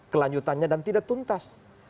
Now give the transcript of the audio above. kelanjutannya dan tidak tuntas